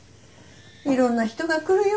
いろんな人が来るよ